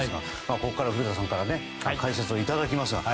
ここからは古田さんから解説をいただきます。